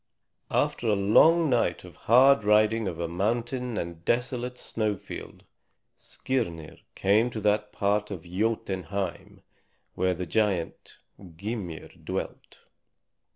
After a long night of hard riding over mountain and desolate snowfield, Skirnir came to that part of Jotunheim where the giant Gymir dwelt.